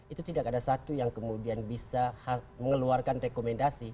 itu tidak ada satu yang kemudian bisa mengeluarkan rekomendasi